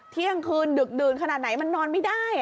เที่ยงคืนดึกดื่นขนาดไหนมันนอนไม่ได้